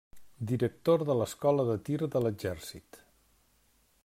Director de l'Escola de Tir de l'Exèrcit.